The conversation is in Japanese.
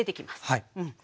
はい。